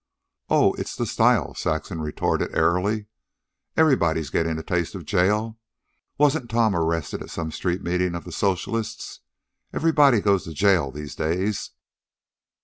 "Oh, it's the style," Saxon retorted airily. "Everybody's getting a taste of jail. Wasn't Tom arrested at some street meeting of the socialists? Everybody goes to jail these days."